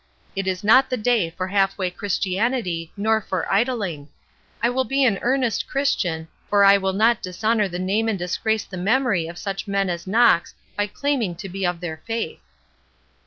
It is not the day for half way Christianity nor for idling; I will be an earnest Christian, or I will not dishonor the name and disgrace the memory of such men as Knox by claiming to be of their faith."